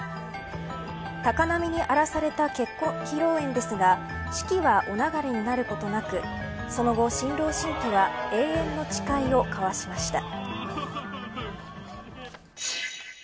高波に荒らされた結婚披露宴ですが式は、お流れになることなくその後、新郎新婦が永遠の誓いを交わしました。